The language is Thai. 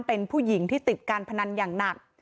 เป็นผู้หญิงที่ติดการพนันอย่างหนัก